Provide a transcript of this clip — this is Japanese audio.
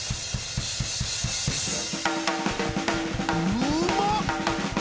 うまっ！